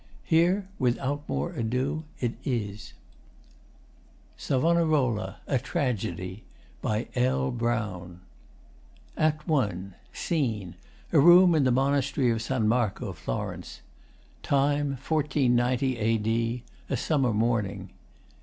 Here, without more ado, is SAVONAROLA A TRAGEDY By L. Brown ACT I SCENE: A Room in the Monastery of San Marco, Florence. TIME: 1490, A.D. A summer morning.